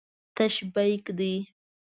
تش بیک دی.